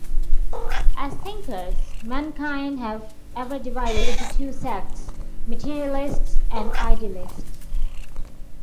As thinkers, mankind have ever divided into two sects, materialists and idealists.